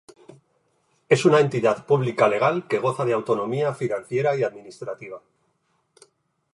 Es una entidad pública legal que goza de autonomía financiera y administrativa.